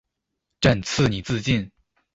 朕賜你自盡